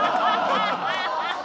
ハハハハ！